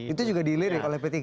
itu juga dilirik oleh p tiga